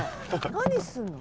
何すんの？